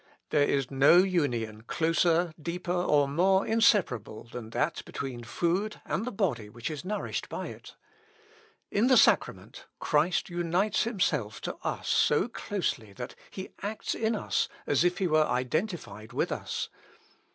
"There is no union closer, deeper, or more inseparable than that between food and the body which is nourished by it. In the sacrament, Christ unites himself to us so closely that he acts in us as if he were identified with us.